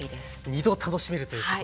２度楽しめるということで。